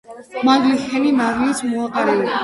მადლი ჰქენი მარილიც მოაყარეო.